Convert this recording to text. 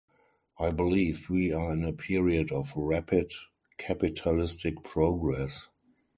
I believe we are in a period of rapid capitalistic progress.